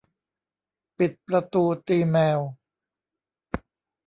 ปิดประตูตีแมว